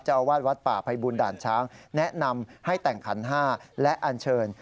อาวาสวัดป่าภัยบุญด่านช้างแนะนำให้แต่งขันห้าและอันเชิญ